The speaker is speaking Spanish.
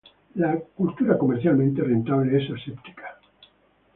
la cultura comercialmente rentable es aséptica